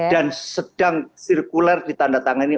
dan sedang sirkuler ditanda tangan ini